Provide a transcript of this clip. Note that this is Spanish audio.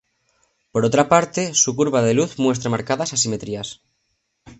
Por otra parte, su curva de luz muestra marcadas asimetrías.